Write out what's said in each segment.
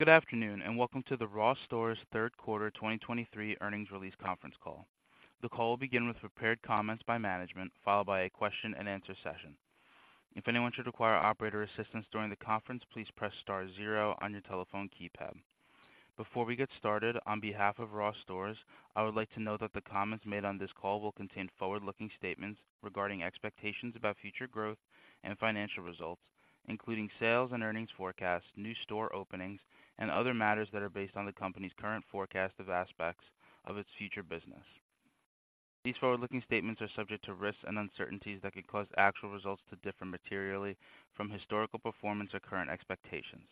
Good afternoon, and welcome to the Ross Stores third quarter 2023 earnings release conference call. The call will begin with prepared comments by management, followed by a question-and-answer session. If anyone should require operator assistance during the conference, please press star zero on your telephone keypad. Before we get started, on behalf of Ross Stores, I would like to note that the comments made on this call will contain forward-looking statements regarding expectations about future growth and financial results, including sales and earnings forecasts, new store openings, and other matters that are based on the company's current forecast of aspects of its future business. These forward-looking statements are subject to risks and uncertainties that could cause actual results to differ materially from historical performance or current expectations.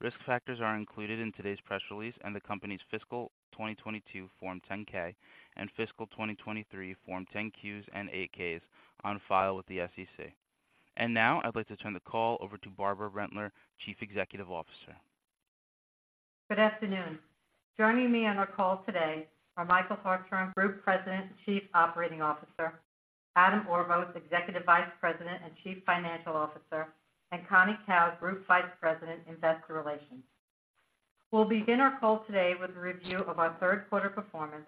Risk factors are included in today's press release and the company's fiscal 2022 Form 10-K and fiscal 2023 Form 10-Qs and 8-Ks on file with the SEC. Now, I'd like to turn the call over to Barbara Rentler, Chief Executive Officer. Good afternoon. Joining me on our call today are Michael Hartshorn, Group President and Chief Operating Officer, Adam Orvos, Executive Vice President and Chief Financial Officer, and Connie Kao, Group Vice President, Investor Relations. We'll begin our call today with a review of our third quarter performance,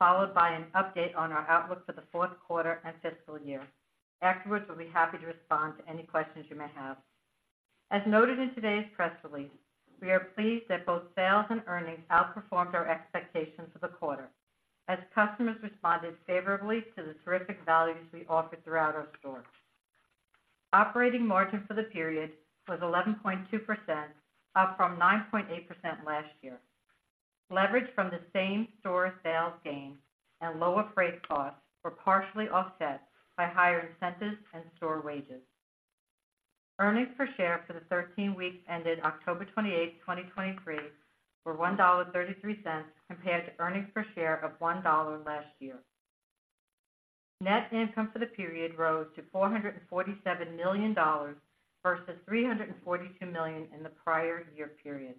followed by an update on our outlook for the fourth quarter and fiscal year. Afterwards, we'll be happy to respond to any questions you may have. As noted in today's press release, we are pleased that both sales and earnings outperformed our expectations for the quarter, as customers responded favorably to the terrific values we offered throughout our stores. Operating margin for the period was 11.2%, up from 9.8% last year. Leverage from the same-store sales gain and lower freight costs were partially offset by higher incentives and store wages. Earnings per share for the 13 weeks ended October 28, 2023, were $1.33, compared to earnings per share of $1 last year. Net income for the period rose to $447 million versus $342 million in the prior year period.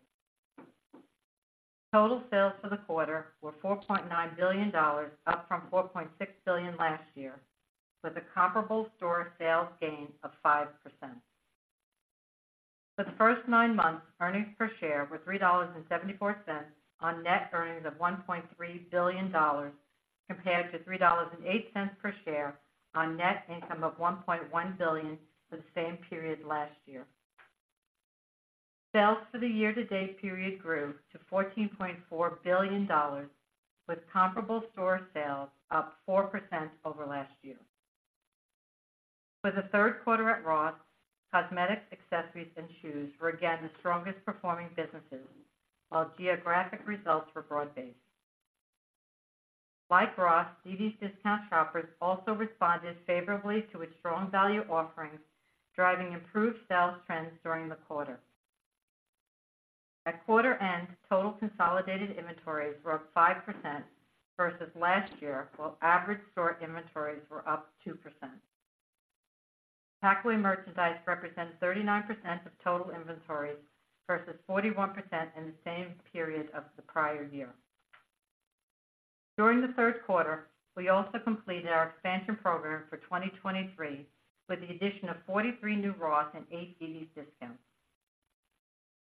Total sales for the quarter were $4.9 billion, up from $4.6 billion last year, with a comparable store sales gain of 5%. For the first nine months, earnings per share were $3.74 on net earnings of $1.3 billion, compared to $3.08 per share on net income of $1.1 billion for the same period last year. Sales for the year-to-date period grew to $14.4 billion, with comparable store sales up 4% over last year. For the third quarter at Ross, cosmetics, accessories, and shoes were again the strongest performing businesses, while geographic results were broad-based. Like Ross, dd's DISCOUNTS shoppers also responded favorably to its strong value offerings, driving improved sales trends during the quarter. At quarter end, total consolidated inventories were up 5% versus last year, while average store inventories were up 2%. Packaway merchandise represents 39% of total inventories versus 41% in the same period of the prior year. During the third quarter, we also completed our expansion program for 2023, with the addition of 43 new Ross and eight dd's DISCOUNTS.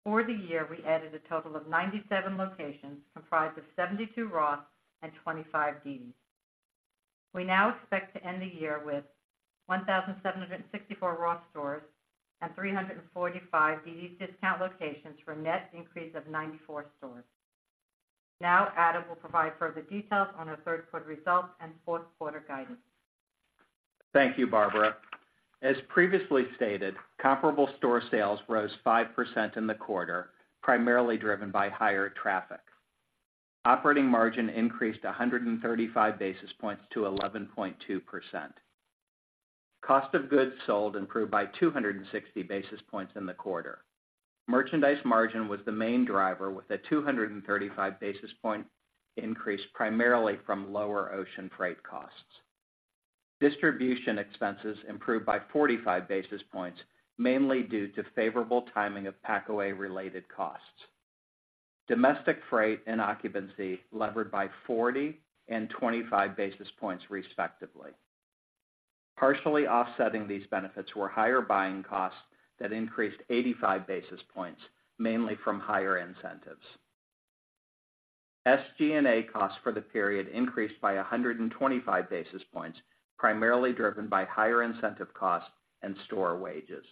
For the year, we added a total of 97 locations, comprised of 72 Ross and 25 dd's DISCOUNTS. We now expect to end the year with 1,764 Ross Stores and 345 dd's DISCOUNTS locations for a net increase of 94 stores. Now, Adam will provide further details on our third quarter results and fourth quarter guidance. Thank you, Barbara. As previously stated, comparable store sales rose 5% in the quarter, primarily driven by higher traffic. Operating margin increased 135 basis points to 11.2%. Cost of goods sold improved by 260 basis points in the quarter. Merchandise margin was the main driver, with a 235 basis point increase, primarily from lower ocean freight costs. Distribution expenses improved by 45 basis points, mainly due to favorable timing of packaway related costs. Domestic freight and occupancy levered by 40 and 25 basis points, respectively. Partially offsetting these benefits were higher buying costs that increased 85 basis points, mainly from higher incentives. SG&A costs for the period increased by 125 basis points, primarily driven by higher incentive costs and store wages.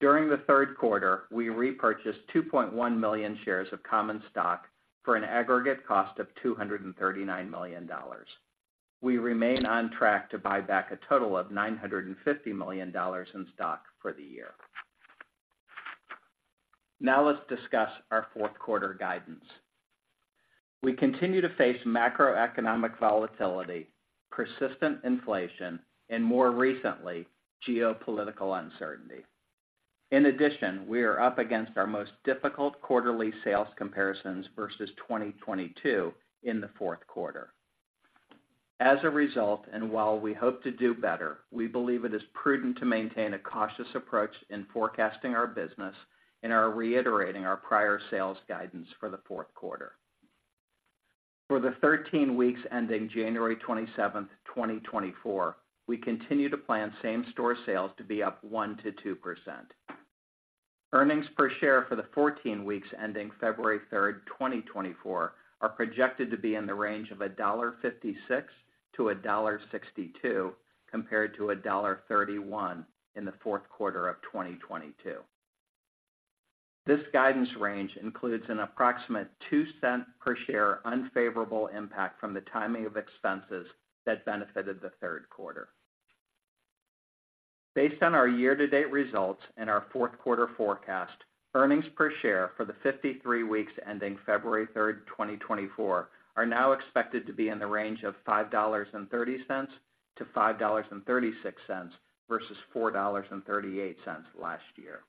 During the third quarter, we repurchased 2.1 million shares of common stock for an aggregate cost of $239 million. We remain on track to buy back a total of $950 million in stock for the year. Now, let's discuss our fourth quarter guidance. We continue to face macroeconomic volatility, persistent inflation, and more recently, geopolitical uncertainty. In addition, we are up against our most difficult quarterly sales comparisons versus 2022 in the fourth quarter. As a result, and while we hope to do better, we believe it is prudent to maintain a cautious approach in forecasting our business and are reiterating our prior sales guidance for the fourth quarter. For the 13 weeks ending January 27th, 2024, we continue to plan same-store sales to be up 1%-2%. Earnings per share for the 14 weeks ending February 3, 2024, are projected to be in the range of $1.56-$1.62, compared to $1.31 in the fourth quarter of 2022. This guidance range includes an approximate $0.02 per share unfavorable impact from the timing of expenses that benefited the third quarter. Based on our year-to-date results and our fourth quarter forecast, earnings per share for the 53 weeks ending February 3, 2024, are now expected to be in the range of $5.30-$5.36 versus $4.38 last year.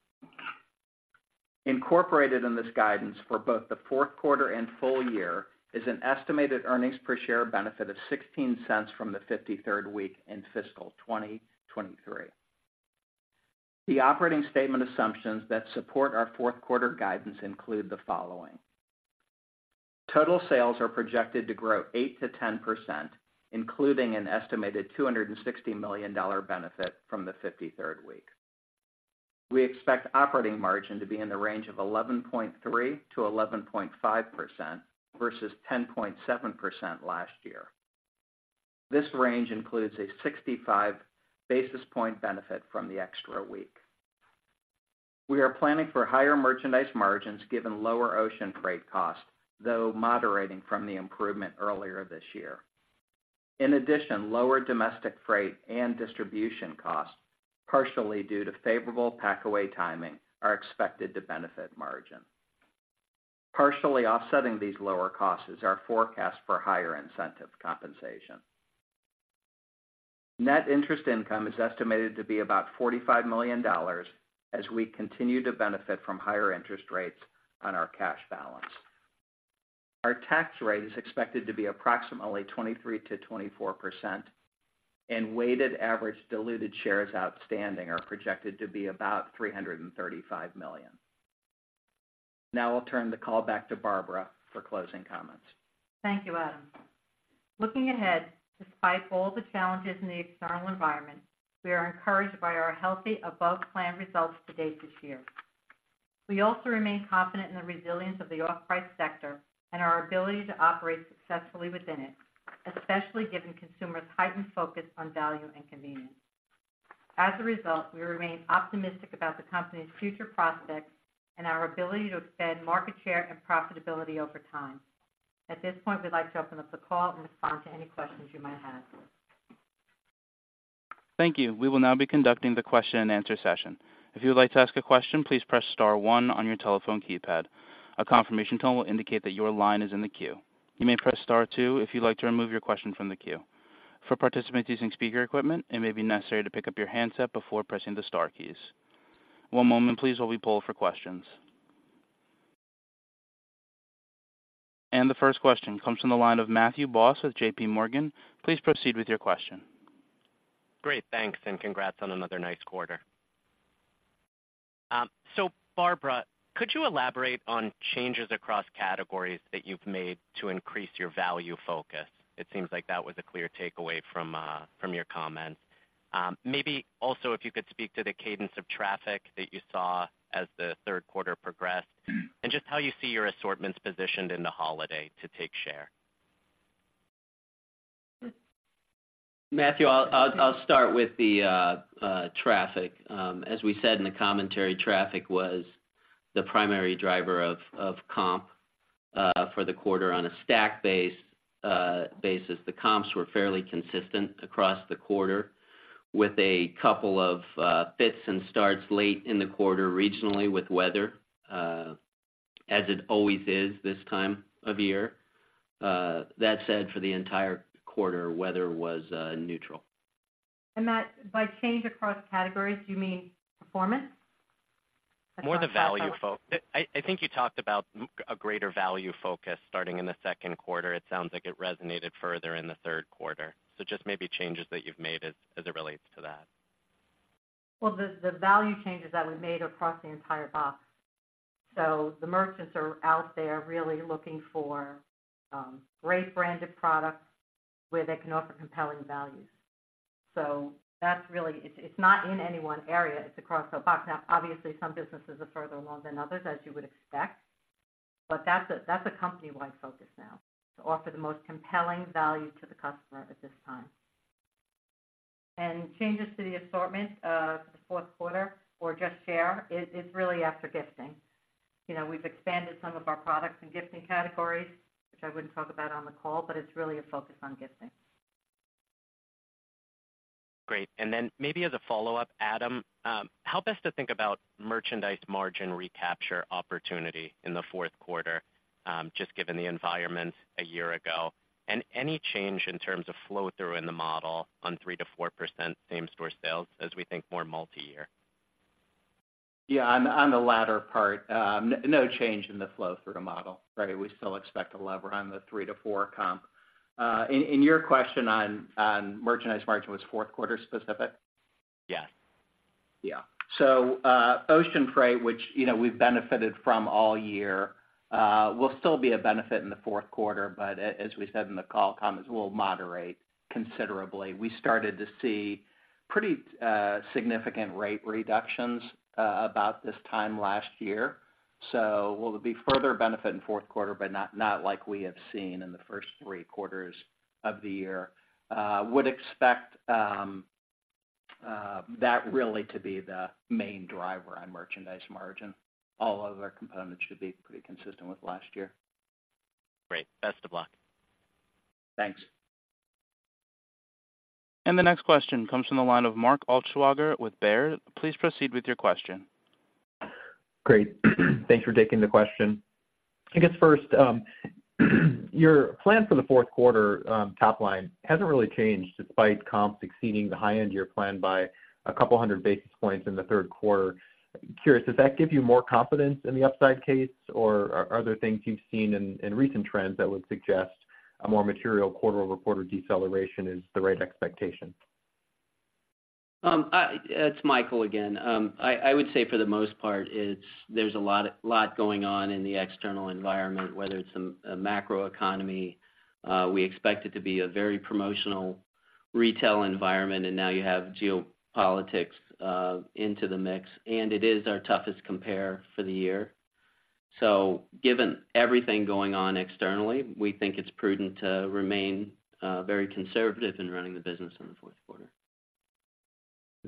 Incorporated in this guidance for both the fourth quarter and full year is an estimated earnings per share benefit of $0.16 from the 53rd week in fiscal 2023. The operating statement assumptions that support our fourth quarter guidance include the following: Total sales are projected to grow 8%-10%, including an estimated $260 million benefit from the fifty-third week. We expect operating margin to be in the range of 11.3%-11.5% versus 10.7% last year. This range includes a 65 basis point benefit from the extra week. We are planning for higher merchandise margins given lower ocean freight costs, though moderating from the improvement earlier this year. In addition, lower domestic freight and distribution costs, partially due to favorable packaway timing, are expected to benefit margin. Partially offsetting these lower costs is our forecast for higher incentive compensation. Net interest income is estimated to be about $45 million as we continue to benefit from higher interest rates on our cash balance. Our tax rate is expected to be approximately 23%-24%, and weighted average diluted shares outstanding are projected to be about 335 million. Now I'll turn the call back to Barbara for closing comments. Thank you, Adam. Looking ahead, despite all the challenges in the external environment, we are encouraged by our healthy, above-plan results to date this year. We also remain confident in the resilience of the off-price sector and our ability to operate successfully within it, especially given consumers' heightened focus on value and convenience. As a result, we remain optimistic about the company's future prospects and our ability to expand market share and profitability over time. At this point, we'd like to open up the call and respond to any questions you might have. Thank you. We will now be conducting the question and answer session. If you would like to ask a question, please press star one on your telephone keypad. A confirmation tone will indicate that your line is in the queue. You may press star two if you'd like to remove your question from the queue. For participants using speaker equipment, it may be necessary to pick up your handset before pressing the star keys. One moment, please, while we poll for questions. The first question comes from the line of Matthew Boss with JPMorgan. Please proceed with your question. Great, thanks, and congrats on another nice quarter. So Barbara, could you elaborate on changes across categories that you've made to increase your value focus? It seems like that was a clear takeaway from, from your comments. Maybe also, if you could speak to the cadence of traffic that you saw as the third quarter progressed, and just how you see your assortments positioned in the holiday to take share? Matthew, I'll start with the traffic. As we said in the commentary, traffic was the primary driver of comp for the quarter. On a stacked basis, the comps were fairly consistent across the quarter, with a couple of fits and starts late in the quarter, regionally, with weather, as it always is this time of year. That said, for the entire quarter, weather was neutral. Matt, by change across categories, do you mean performance? More on the value focus—I think you talked about a greater value focus starting in the second quarter. It sounds like it resonated further in the third quarter. So just maybe changes that you've made as it relates to that. Well, the value changes that we made are across the entire box. So the merchants are out there really looking for great branded products where they can offer compelling values. So that's really—it's not in any one area, it's across the box. Now, obviously, some businesses are further along than others, as you would expect, but that's a company-wide focus now, to offer the most compelling value to the customer at this time. And changes to the assortment for the fourth quarter or just share is really after gifting. You know, we've expanded some of our products in gifting categories, which I wouldn't talk about on the call, but it's really a focus on gifting. Great. And then maybe as a follow-up, Adam, how best to think about merchandise margin recapture opportunity in the fourth quarter, just given the environment a year ago? And any change in terms of flow-through in the model on 3%-4% same store sales as we think more multi-year? Yeah, on the latter part, no change in the flow through the model, right? We still expect to lever on the three to four comp. In your question on merchandise margin, was fourth quarter specific? Yeah.... Yeah. So, ocean freight, which, you know, we've benefited from all year, will still be a benefit in the fourth quarter, but as we said in the call comments, will moderate considerably. We started to see pretty, significant rate reductions, about this time last year. So will it be further benefit in fourth quarter, but not like we have seen in the first three quarters of the year. Would expect that really to be the main driver on merchandise margin. All other components should be pretty consistent with last year. Great. Best of luck. Thanks. The next question comes from the line of Mark Altschwager with Baird. Please proceed with your question. Great. Thanks for taking the question. I guess first, your plan for the fourth quarter, top line, hasn't really changed despite comps exceeding the high end of your plan by 200 basis points in the third quarter. Curious, does that give you more confidence in the upside case, or are, are there things you've seen in, in recent trends that would suggest a more material quarter-over-quarter deceleration is the right expectation? It's Michael again. I would say for the most part, it's there's a lot, lot going on in the external environment, whether it's a macroeconomy, we expect it to be a very promotional retail environment, and now you have geopolitics into the mix, and it is our toughest compare for the year. So given everything going on externally, we think it's prudent to remain very conservative in running the business in the fourth quarter.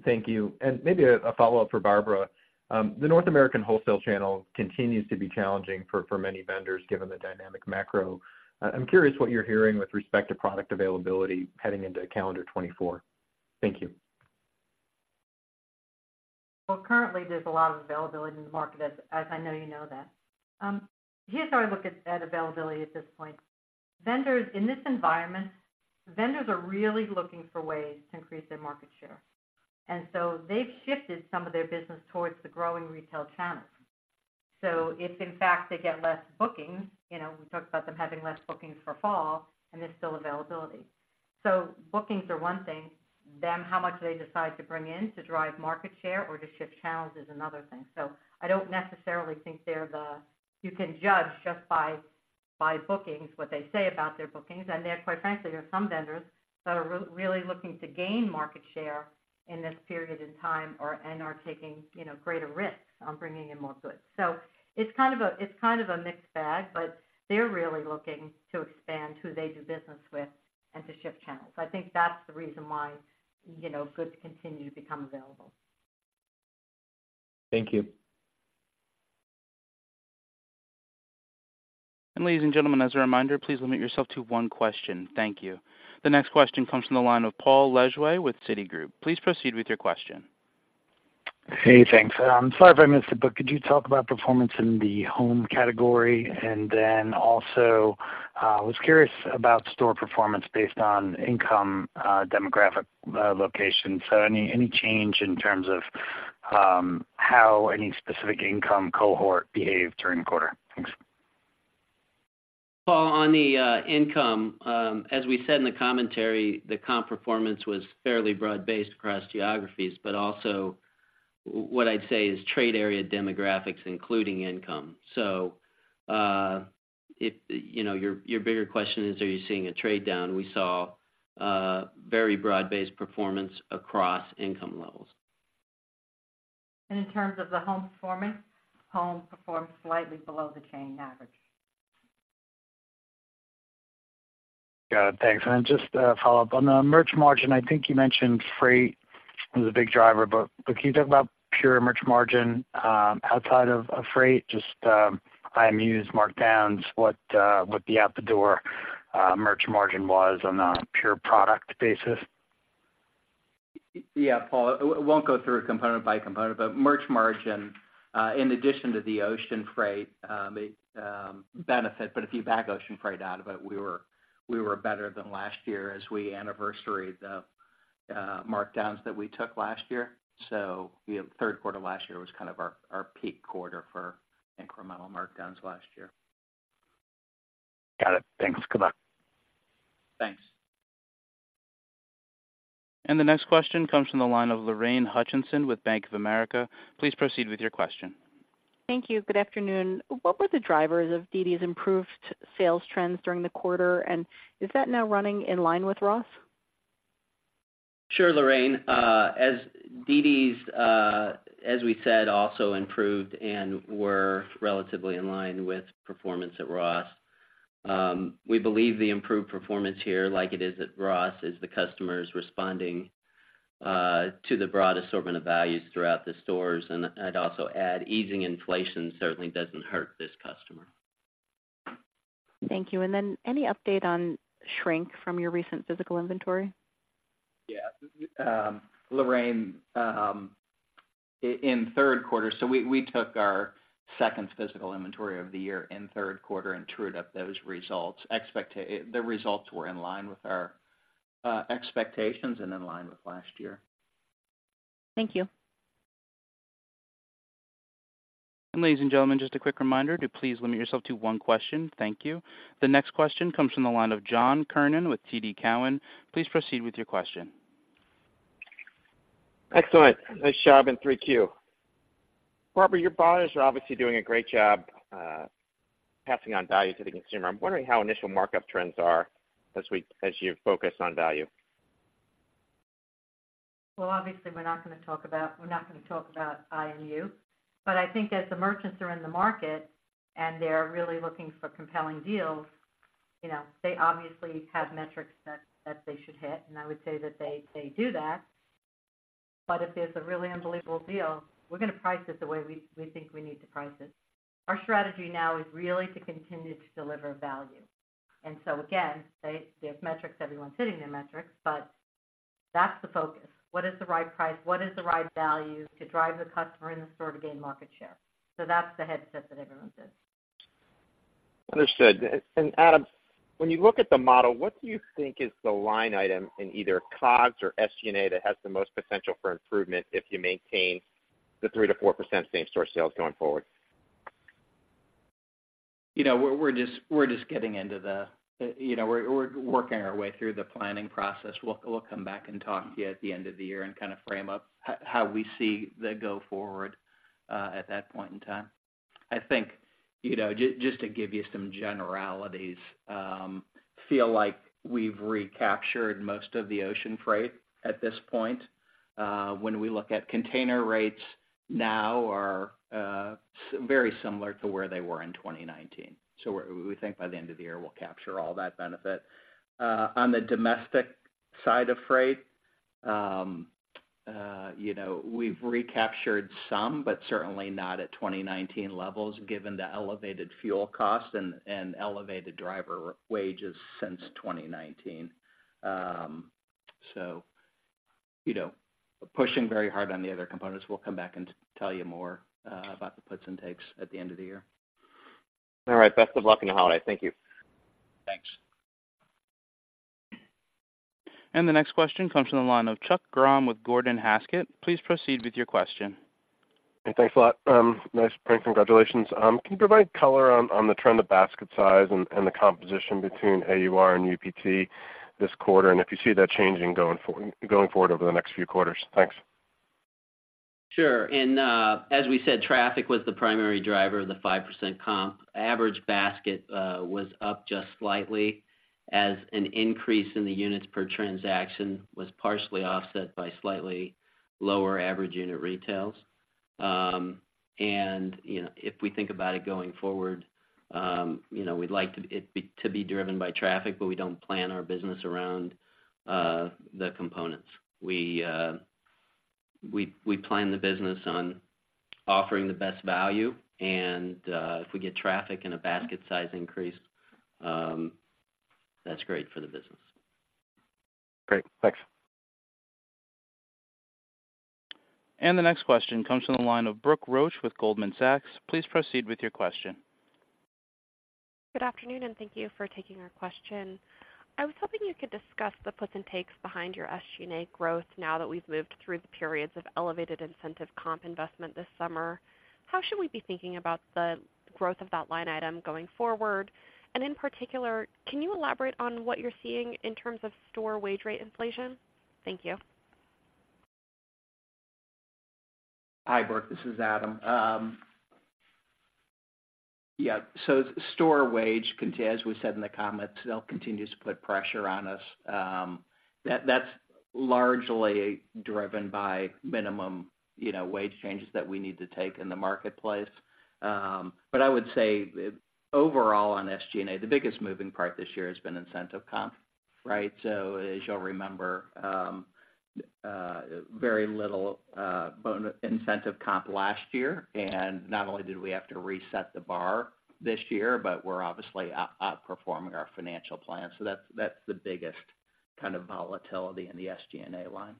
Thank you. And maybe a follow-up for Barbara. The North American wholesale channel continues to be challenging for many vendors, given the dynamic macro. I'm curious what you're hearing with respect to product availability heading into calendar 2024. Thank you. Well, currently, there's a lot of availability in the market, as I know you know that. Here's how I look at availability at this point. Vendors, in this environment, vendors are really looking for ways to increase their market share. And so they've shifted some of their business towards the growing retail channels. So if, in fact, they get less bookings, you know, we talked about them having less bookings for fall, and there's still availability. So bookings are one thing, how much they decide to bring in to drive market share or to shift channels is another thing. So I don't necessarily think you can judge just by bookings, what they say about their bookings. Then, quite frankly, there are some vendors that are really looking to gain market share in this period in time or and are taking, you know, greater risks on bringing in more goods. So it's kind of a, it's kind of a mixed bag, but they're really looking to expand who they do business with and to shift channels. I think that's the reason why, you know, goods continue to become available. Thank you. Ladies and gentlemen, as a reminder, please limit yourself to one question. Thank you. The next question comes from the line of Paul Lejuez with Citigroup. Please proceed with your question. Hey, thanks. Sorry if I missed it, but could you talk about performance in the home category? And then also, I was curious about store performance based on income, demographic, location. So any change in terms of how any specific income cohort behaved during the quarter? Thanks. Well, on the income, as we said in the commentary, the comp performance was fairly broad-based across geographies, but also what I'd say is trade area demographics, including income. So, if you know, your bigger question is, are you seeing a trade down? We saw very broad-based performance across income levels. In terms of the home performance, home performed slightly below the chain average. Got it. Thanks. And just a follow-up. On the merch margin, I think you mentioned freight was a big driver, but can you talk about pure merch margin, outside of freight, just IMUs, markdowns, what the out the door merch margin was on a pure product basis? Yeah, Paul. I won't go through it component by component, but merch margin, in addition to the ocean freight, it benefited, but if you back ocean freight out of it, we were better than last year as we anniversary the markdowns that we took last year. So, yeah, third quarter last year was kind of our peak quarter for incremental markdowns last year. Got it. Thanks. Good luck. Thanks. The next question comes from the line of Lorraine Hutchinson with Bank of America. Please proceed with your question. Thank you. Good afternoon. What were the drivers of dd's improved sales trends during the quarter, and is that now running in line with Ross? Sure, Lorraine. As dd's, as we said, also improved and were relatively in line with performance at Ross. We believe the improved performance here, like it is at Ross, is the customer is responding to the broad assortment of values throughout the stores. And I'd also add, easing inflation certainly doesn't hurt this customer. Thank you. And then, any update on shrink from your recent physical inventory? Yeah. Lorraine, in third quarter... So we took our second physical inventory of the year in third quarter and trued up those results. The results were in line with our expectations and in line with last year. Thank you.... Ladies and gentlemen, just a quick reminder to please limit yourself to one question. Thank you. The next question comes from the line of John Kernan with TD Cowen. Please proceed with your question. Excellent. Nice job in 3Q. Barbara, your buyers are obviously doing a great job, passing on value to the consumer. I'm wondering how initial markup trends are as you focus on value. Well, obviously, we're not gonna talk about IMU. But I think as the merchants are in the market and they're really looking for compelling deals, you know, they obviously have metrics that they should hit, and I would say that they do that. But if there's a really unbelievable deal, we're gonna price it the way we think we need to price it. Our strategy now is really to continue to deliver value. And so again, there's metrics, everyone's hitting their metrics, but that's the focus. What is the right price? What is the right value to drive the customer in the store to gain market share? So that's the mindset that everyone's in. Understood. And Adam, when you look at the model, what do you think is the line item in either COGS or SG&A that has the most potential for improvement if you maintain the 3%-4% same-store sales going forward? You know, we're just getting into the—you know, we're working our way through the planning process. We'll come back and talk to you at the end of the year and kind of frame up how we see the go forward at that point in time. I think, you know, just to give you some generalities, feel like we've recaptured most of the ocean freight at this point. When we look at container rates now are very similar to where they were in 2019. So we're—we think by the end of the year, we'll capture all that benefit. On the domestic side of freight, you know, we've recaptured some, but certainly not at 2019 levels, given the elevated fuel costs and elevated driver wages since 2019. So, you know, pushing very hard on the other components. We'll come back and tell you more about the puts and takes at the end of the year. All right. Best of luck in the holiday. Thank you. Thanks. The next question comes from the line of Chuck Grom with Gordon Haskett. Please proceed with your question. Hey, thanks a lot. Nice print. Congratulations. Can you provide color on the trend of basket size and the composition between AUR and UPT this quarter? And if you see that changing going forward over the next few quarters? Thanks. Sure. And, as we said, traffic was the primary driver of the 5% comp. Average basket, was up just slightly as an increase in the units per transaction was partially offset by slightly lower average unit retails. And, you know, if we think about it going forward, you know, we'd like it to be, to be driven by traffic, but we don't plan our business around, the components. We, we plan the business on offering the best value, and, if we get traffic and a basket size increase, that's great for the business. Great. Thanks. The next question comes from the line of Brooke Roach with Goldman Sachs. Please proceed with your question. Good afternoon, and thank you for taking our question. I was hoping you could discuss the puts and takes behind your SG&A growth now that we've moved through the periods of elevated incentive comp investment this summer. How should we be thinking about the growth of that line item going forward? And in particular, can you elaborate on what you're seeing in terms of store wage rate inflation? Thank you. Hi, Brooke, this is Adam. Yeah, so store wage costs, as we said in the comments, still continues to put pressure on us. That's largely driven by minimum, you know, wage changes that we need to take in the marketplace. But I would say, overall, on SG&A, the biggest moving part this year has been incentive comp, right? So as you'll remember, very little bonus incentive comp last year, and not only did we have to reset the bar this year, but we're obviously outperforming our financial plan. So that's the biggest kind of volatility in the SG&A line.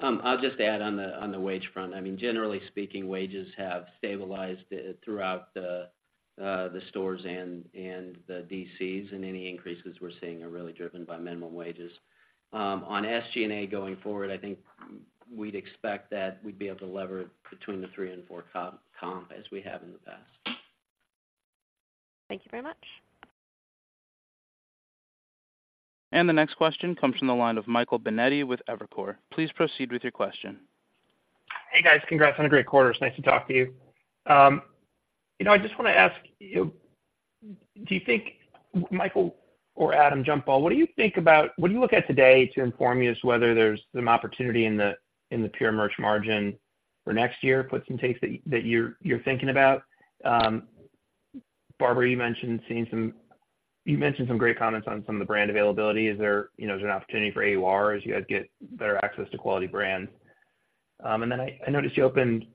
I'll just add on the wage front. I mean, generally speaking, wages have stabilized throughout the stores and the DCs, and any increases we're seeing are really driven by minimum wages. On SG&A going forward, I think we'd expect that we'd be able to lever it between the 3 and 4 comp, as we have in the past. Thank you very much. The next question comes from the line of Michael Binetti with Evercore. Please proceed with your question. Hey, guys. Congrats on a great quarter. It's nice to talk to you. You know, I just want to ask you, do you think, Michael or Adam, jump ball, what do you think about, what do you look at today to inform you as to whether there's some opportunity in the, in the pure merch margin for next year, puts and takes that you're thinking about? Barbara, you mentioned seeing some, you mentioned some great comments on some of the brand availability. Is there, you know, is there an opportunity for AUR as you guys get better access to quality brands? And then I noticed you opened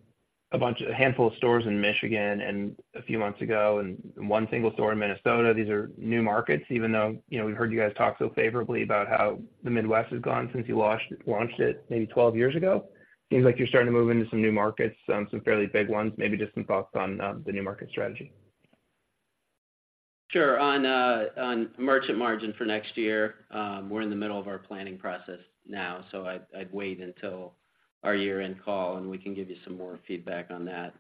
a handful of stores in Michigan a few months ago, and one single store in Minnesota. These are new markets, even though, you know, we've heard you guys talk so favorably about how the Midwest has gone since you launched it maybe 12 years ago. Seems like you're starting to move into some new markets, some fairly big ones, maybe just some thoughts on, the new market strategy.... Sure. On merchandise margin for next year, we're in the middle of our planning process now, so I'd wait until our year-end call, and we can give you some more feedback on that.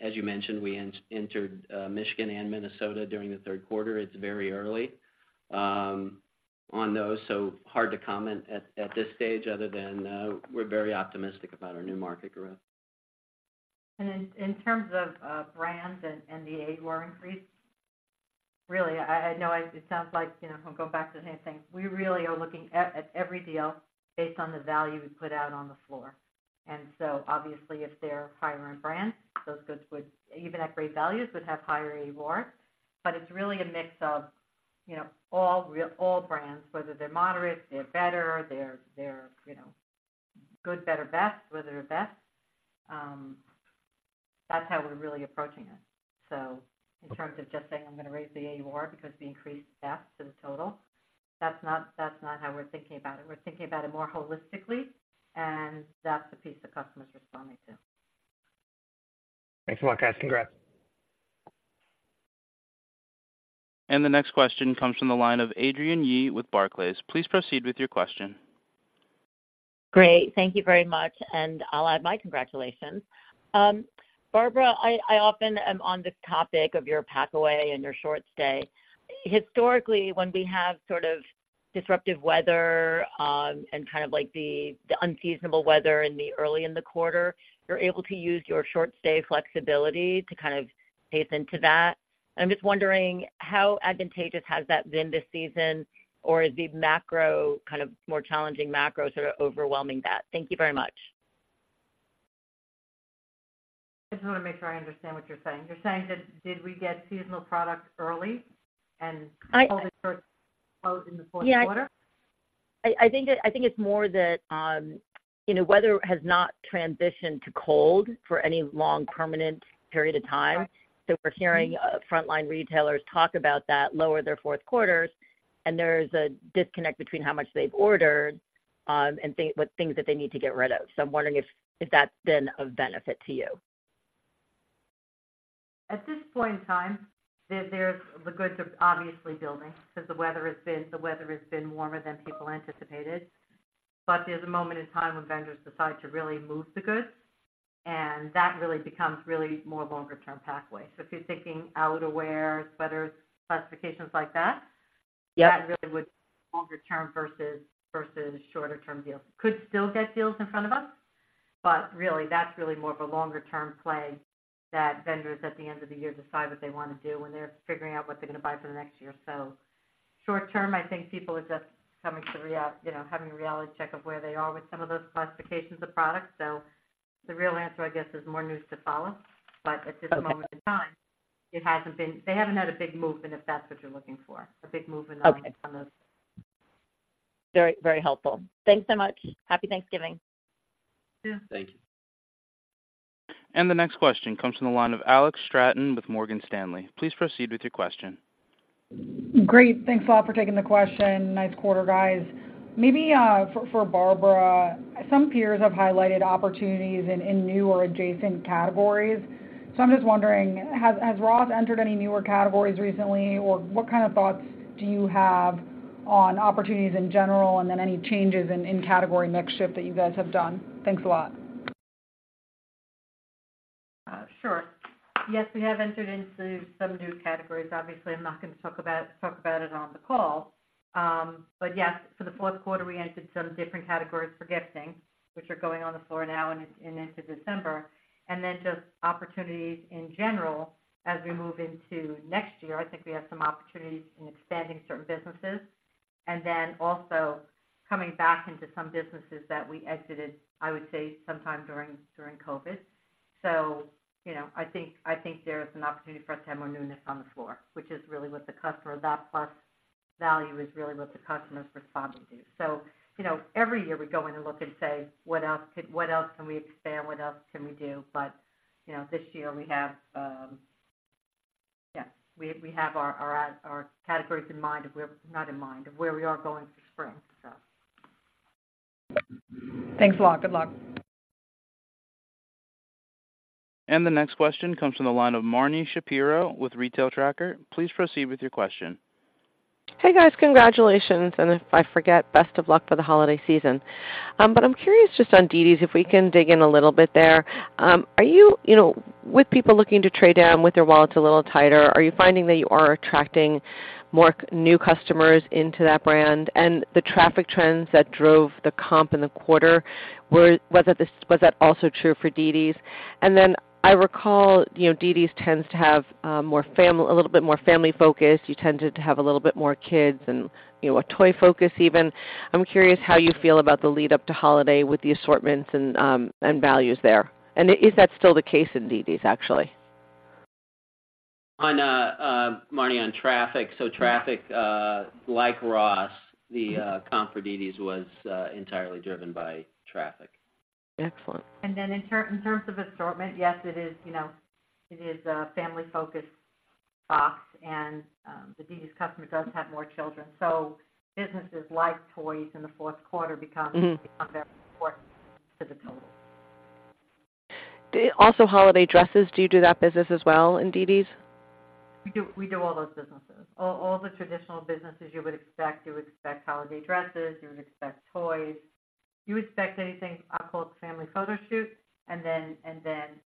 As you mentioned, we entered Michigan and Minnesota during the third quarter. It's very early on those, so hard to comment at this stage other than we're very optimistic about our new market growth. In terms of brands and the AUR increase, really, I know it sounds like, you know, I'm going back to the same thing. We really are looking at every deal based on the value we put out on the floor. And so obviously, if they're higher-end brands, those goods would, even at great values, have higher AUR, but it's really a mix of, you know, all brands, whether they're moderate, they're better, they're good, better, best, whether they're best. That's how we're really approaching it. So in terms of just saying, I'm gonna raise the AUR because we increased that to the total, that's not how we're thinking about it. We're thinking about it more holistically, and that's the piece the customer is responding to. Thanks a lot, guys. Congrats. The next question comes from the line of Adrienne Yih with Barclays. Please proceed with your question. Great, thank you very much, and I'll add my congratulations. Barbara, I often am on the topic of your pack away and your short stay. Historically, when we have sort of disruptive weather, and kind of like the unseasonable weather in the early in the quarter, you're able to use your short stay flexibility to kind of pace into that. I'm just wondering, how advantageous has that been this season, or is the macro, kind of more challenging macro, sort of overwhelming that? Thank you very much. I just wanna make sure I understand what you're saying. You're saying that did we get seasonal products early and, I, hold it out in the fourth quarter? Yeah. I think it's more that, you know, weather has not transitioned to cold for any long, permanent period of time. Right. So we're hearing, frontline retailers talk about that, lower their fourth quarters, and there's a disconnect between how much they've ordered, and what things that they need to get rid of. So I'm wondering if, if that's been of benefit to you. At this point in time, the goods are obviously building because the weather has been warmer than people anticipated. But there's a moment in time when vendors decide to really move the goods, and that really becomes more longer term packaway. So if you're thinking outerwear, sweaters, classifications like that- Yep. That really would longer term versus versus shorter term deals. Could still get deals in front of us, but really, that's really more of a longer-term play that vendors at the end of the year decide what they wanna do when they're figuring out what they're gonna buy for the next year. So short term, I think people are just coming to reality, you know, having a reality check of where they are with some of those classifications of products. So the real answer, I guess, is more news to follow. Okay. But at this moment in time, it hasn't been... They haven't had a big movement, if that's what you're looking for, a big movement on those. Okay. Very, very helpful. Thanks so much. Happy Thanksgiving. Yeah. Thank you. The next question comes from the line of Alex Straton with Morgan Stanley. Please proceed with your question. Great. Thanks a lot for taking the question. Nice quarter, guys. Maybe for Barbara, some peers have highlighted opportunities in new or adjacent categories. So I'm just wondering, has Ross entered any newer categories recently? Or what kind of thoughts do you have on opportunities in general and then any changes in category mix shift that you guys have done? Thanks a lot. Sure. Yes, we have entered into some new categories. Obviously, I'm not going to talk about, talk about it on the call. But yes, for the fourth quarter, we entered some different categories for gifting, which are going on the floor now and into December. And then just opportunities in general, as we move into next year, I think we have some opportunities in expanding certain businesses and then also coming back into some businesses that we exited, I would say, sometime during COVID. So you know, I think there is an opportunity for us to have more newness on the floor, which is really what the customer... That plus value is really what the customer is responding to. So you know, every year we go in and look and say: What else could-- what else can we expand? What else can we do? But you know, this year we have our categories in mind of where we are going for spring, so. Thanks a lot. Good luck. The next question comes from the line of Marni Shapiro with Retail Tracker. Please proceed with your question. Hey, guys, congratulations, and if I forget, best of luck for the holiday season. But I'm curious just on dd's, if we can dig in a little bit there. Are you, you know, with people looking to trade down with their wallets a little tighter, are you finding that you are attracting more new customers into that brand? And the traffic trends that drove the comp in the quarter, was that this, was that also true for dd's? And then I recall, you know, dd's tends to have a little bit more family-focused. You tended to have a little bit more kids and, you know, a toy focus even. I'm curious how you feel about the lead-up to holiday with the assortments and values there. And is that still the case in dd's, actually? On Marni, on traffic, so traffic like Ross, the comp for dd's was entirely driven by traffic. Excellent. And then in terms of assortment, yes, it is, you know, it is, family-focused box, and, the dd's customer does have more children. So businesses like toys in the fourth quarter become, Mm-hmm. Very important to the total.... Also, holiday dresses, do you do that business as well in dd's? We do all those businesses. All the traditional businesses you would expect. You would expect holiday dresses, you would expect toys, you expect anything applicable to family photo shoot, and then,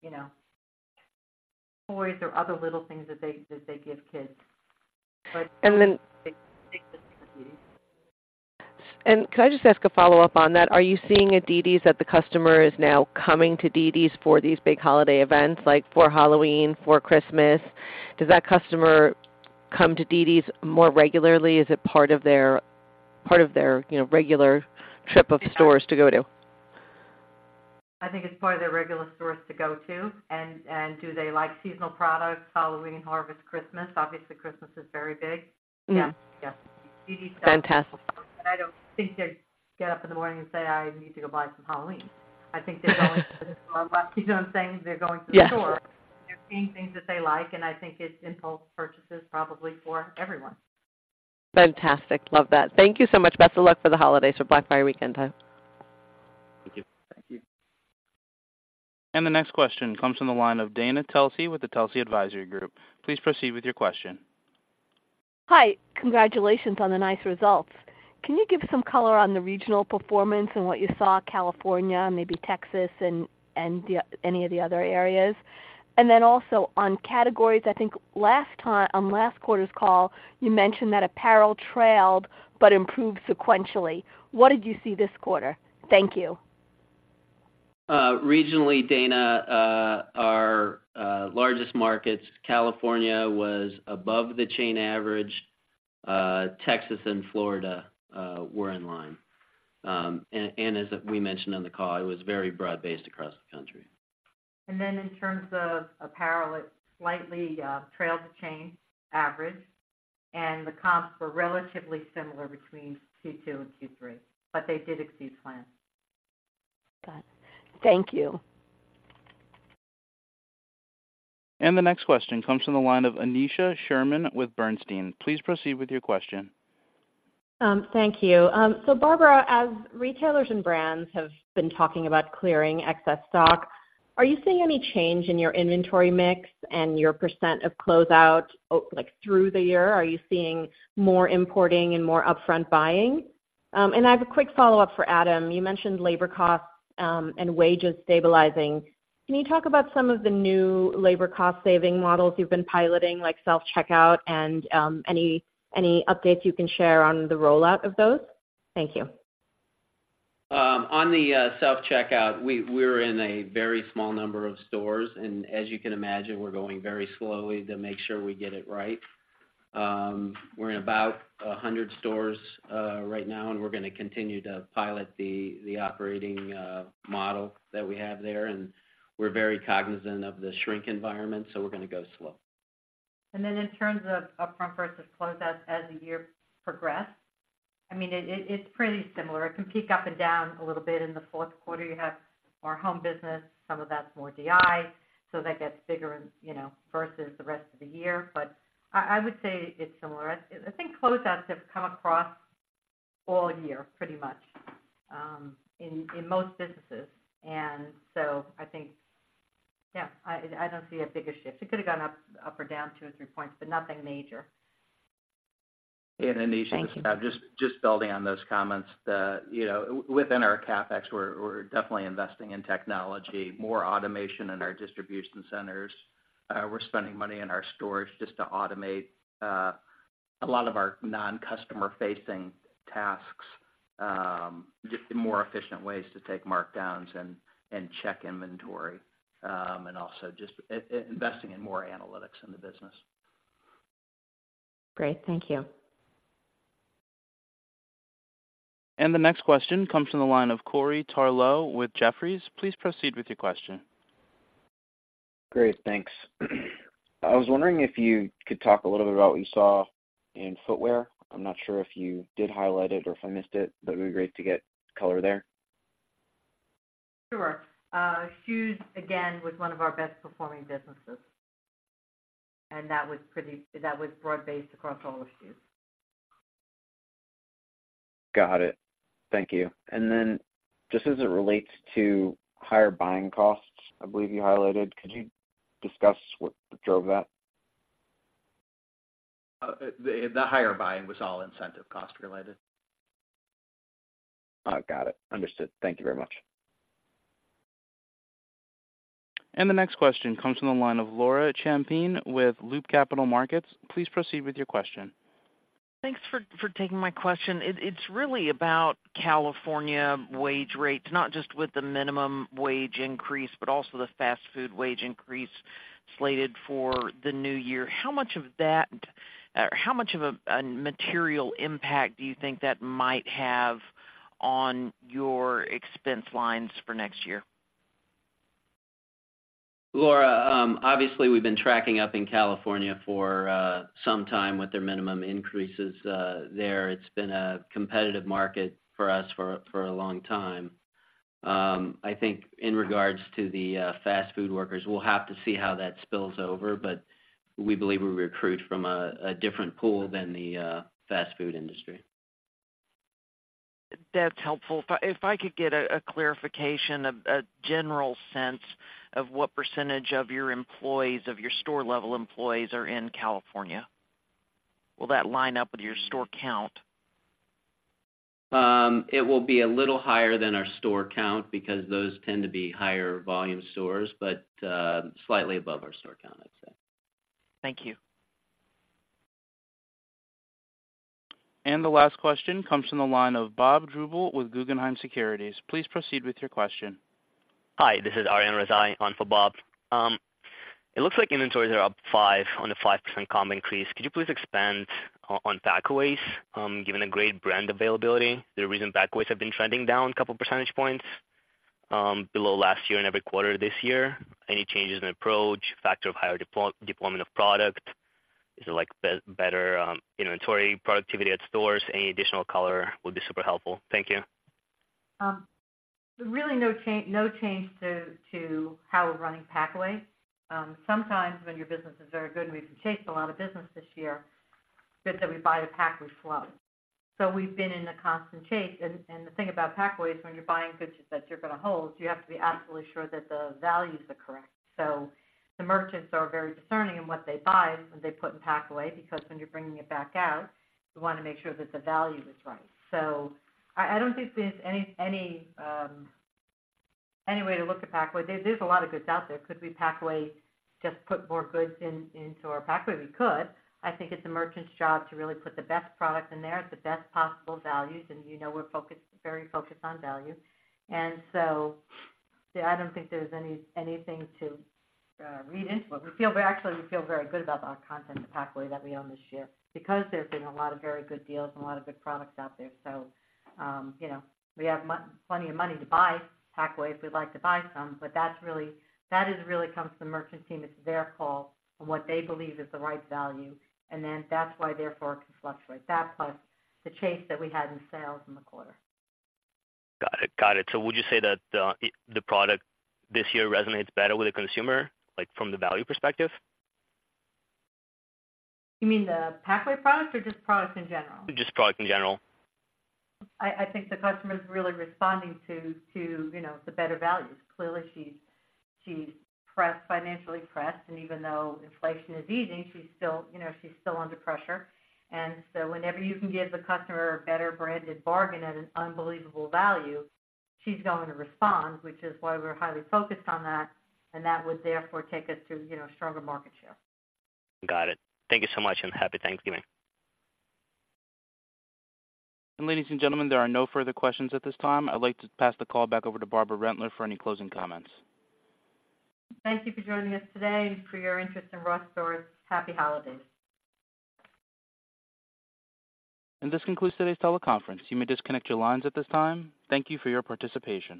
you know, toys or other little things that they give kids. And could I just ask a follow-up on that? Are you seeing at dd's that the customer is now coming to dd's for these big holiday events, like for Halloween, for Christmas? Does that customer come to dd's more regularly? Is it part of their, you know, regular trip of stores to go to? I think it's part of their regular stores to go to. And do they like seasonal products, Halloween, Harvest, Christmas? Obviously, Christmas is very big. Mm-hmm. Yes, yes. Fantastic. I don't think they get up in the morning and say, "I need to go buy some Halloween." I think they're going, You know what I'm saying? They're going to the store. Yes. They're seeing things that they like, and I think it's impulse purchases probably for everyone. Fantastic. Love that. Thank you so much. Best of luck for the holidays or Black Friday weekend time. Thank you. Thank you. The next question comes from the line of Dana Telsey with the Telsey Advisory Group. Please proceed with your question. Hi, congratulations on the nice results. Can you give some color on the regional performance and what you saw, California, maybe Texas and the, any of the other areas? And then also on categories, I think last time, on last quarter's call, you mentioned that apparel trailed but improved sequentially. What did you see this quarter? Thank you. Regionally, Dana, our largest markets, California, was above the chain average. Texas and Florida were in line. And as we mentioned on the call, it was very broad-based across the country. In terms of apparel, it slightly trailed the chain average, and the comps were relatively similar between Q2 and Q3, but they did exceed plans. Got it. Thank you. The next question comes from the line of Aneesha Sherman with Bernstein. Please proceed with your question. Thank you. So Barbara, as retailers and brands have been talking about clearing excess stock, are you seeing any change in your inventory mix and your percent of closeout, like through the year? Are you seeing more importing and more upfront buying? And I have a quick follow-up for Adam. You mentioned labor costs, and wages stabilizing. Can you talk about some of the new labor cost-saving models you've been piloting, like self-checkout and, any updates you can share on the rollout of those? Thank you. On the self-checkout, we're in a very small number of stores, and as you can imagine, we're going very slowly to make sure we get it right. We're in about 100 stores right now, and we're gonna continue to pilot the operating model that we have there, and we're very cognizant of the shrink environment, so we're gonna go slow. And then in terms of upfront versus closeouts as the year progressed, I mean, it it's pretty similar. It can peak up and down a little bit in the fourth quarter. You have more home business, some of that's more DI, so that gets bigger and, you know, versus the rest of the year. But I would say it's similar. I think closeouts have come across all year, pretty much in most businesses. And so I think, yeah, I don't see a bigger shift. It could have gone up or down two or three points, but nothing major. And Aneesha, Thank you. Just building on those comments, you know, within our CapEx, we're definitely investing in technology, more automation in our distribution centers. We're spending money in our stores just to automate a lot of our non-customer-facing tasks, just more efficient ways to take markdowns and check inventory, and also just investing in more analytics in the business. Great. Thank you. The next question comes from the line of Corey Tarlowe with Jefferies. Please proceed with your question. Great, thanks. I was wondering if you could talk a little bit about what you saw in footwear. I'm not sure if you did highlight it or if I missed it, but it would be great to get color there. Sure. Shoes, again, was one of our best-performing businesses, and that was pretty... That was broad-based across all the shoes. Got it. Thank you. And then, just as it relates to higher buying costs, I believe you highlighted, could you discuss what drove that? The higher buying was all incentive cost related. Got it. Understood. Thank you very much. The next question comes from the line of Laura Champine with Loop Capital Markets. Please proceed with your question. Thanks for taking my question. It's really about California wage rates, not just with the minimum wage increase, but also the fast food wage increase slated for the new year. How much of that, how much of a material impact do you think that might have on your expense lines for next year? Laura, obviously, we've been tracking up in California for some time with their minimum increases there. It's been a competitive market for us for a long time. I think in regards to the fast food workers, we'll have to see how that spills over, but we believe we recruit from a different pool than the fast food industry.... That's helpful. But if I could get a clarification, a general sense of what percentage of your employees, of your store level employees are in California. Will that line up with your store count? It will be a little higher than our store count because those tend to be higher volume stores, but slightly above our store count, I'd say. Thank you. The last question comes from the line of Bob Drbul with Guggenheim Securities. Please proceed with your question. Hi, this is Arian Razai on for Bob. It looks like inventories are up 5% on the 5% comp increase. Could you please expand on packaways, given the great brand availability, the reason packaways have been trending down a couple percentage points below last year and every quarter this year. Any changes in approach, factor of higher deployment of product? Is it, like, better inventory productivity at stores? Any additional color would be super helpful. Thank you. Really no change to how we're running packaway. Sometimes when your business is very good, and we've chased a lot of business this year, goods that we buy to pack, we slow. So we've been in a constant chase. And the thing about packaway is when you're buying goods that you're gonna hold, you have to be absolutely sure that the values are correct. So the merchants are very discerning in what they buy when they put in packaway, because when you're bringing it back out, you wanna make sure that the value is right. So I don't think there's any way to look at packaway. There's a lot of goods out there. Could we packaway, just put more goods in, into our packaway? We could. I think it's the merchant's job to really put the best product in there at the best possible values, and you know, we're focused, very focused on value. And so I don't think there's any, anything to read into it. We feel very, actually, we feel very good about our content of the packaway that we own this year because there's been a lot of very good deals and a lot of good products out there. So, you know, we have plenty of money to buy packaway if we'd like to buy some, but that's really... That is really comes from the merchant team. It's their call on what they believe is the right value, and then that's why, therefore, it can fluctuate. That, plus the chase that we had in sales in the quarter. Got it. Got it. So would you say that the product this year resonates better with the consumer, like, from the value perspective? You mean the packaway product or just products in general? Just product in general. I think the customer is really responding to you know, the better values. Clearly, she's pressed, financially pressed, and even though inflation is easing, she's still you know, still under pressure. And so whenever you can give the customer a better branded bargain at an unbelievable value, she's going to respond, which is why we're highly focused on that, and that would therefore take us to you know, stronger market share. Got it. Thank you so much, and happy Thanksgiving. Ladies and gentlemen, there are no further questions at this time. I'd like to pass the call back over to Barbara Rentler for any closing comments. Thank you for joining us today and for your interest in Ross Stores. Happy holidays! This concludes today's teleconference. You may disconnect your lines at this time. Thank you for your participation.